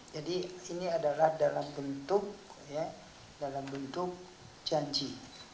jadi ini adalah dalam bentuk janji